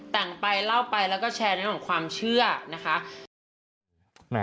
แต่งไปเล่าไปแล้วก็แชร์ของความเชื่อนะฮะ